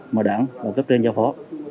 mà đáng vào cấp trên giao phó